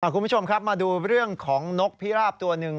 คุณผู้ชมครับมาดูเรื่องของนกพิราบตัวหนึ่ง